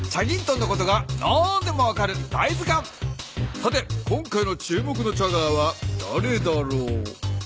さて今回の注目のチャガーはだれだろう？